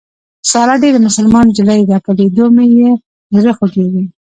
ساره ډېره مسلمان نجلۍ ده په لیدو مې یې زړه خوږېږي.